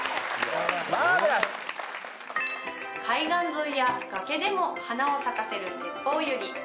海岸沿いや崖でも花を咲かせるテッポウユリ。